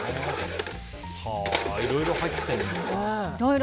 いろいろ入ってる。